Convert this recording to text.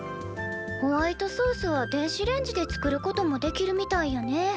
ホワイトソースは電子レンジで作ることもできるみたいやね。